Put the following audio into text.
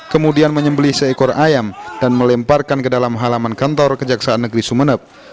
kemudian menyembeli seekor ayam dan melemparkan ke dalam halaman kantor kejaksaan negeri sumeneb